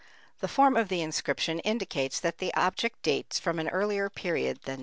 The form of the inscription indicates that the object dates from an earlier period than 2000 B.